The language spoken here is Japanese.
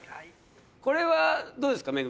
これはどうですか？